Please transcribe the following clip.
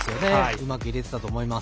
うまく入れてたと思います。